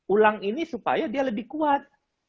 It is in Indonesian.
ulang ini supaya dia lebih kuat